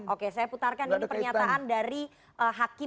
oke saya putarkan ini pernyataan dari hakim